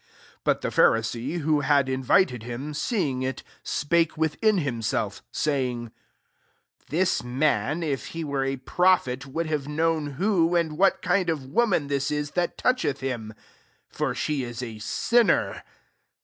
39 But the Pharisee, who had invited him, seeing it, spake within himself, saying, <' This man, if he were a prophet, would have known who, and what kind of woman thia ia that toucheth him ; for she is a sin ner."